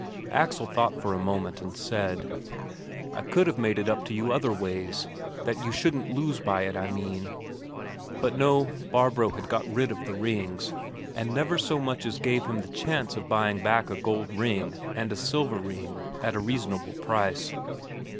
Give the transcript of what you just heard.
Axel thought for a moment, and said: "I could have made it up to you other ways. That you shouldn't lose by it, I mean." But no, Barbro had got rid of the rings, and never so much as gave him the chance of buying back a gold ring and a silver ring at a reasonable price.